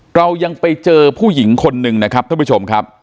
เรายังไปเจอผู้หญิงคนหนึ่งนะครับท่านผู้ชมครับ